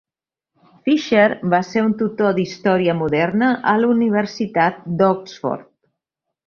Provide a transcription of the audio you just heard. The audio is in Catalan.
Fisher va ser un tutor d'història moderna a la Universitat d'Oxford.